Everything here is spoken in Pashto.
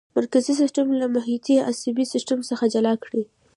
مرکزي سیستم له محیطي عصبي سیستم څخه جلا کړئ.